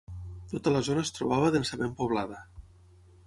Tota la zona es trobava densament poblada.